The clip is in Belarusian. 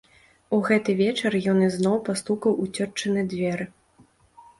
У гэты вечар ён ізноў пастукаў у цётчыны дзверы.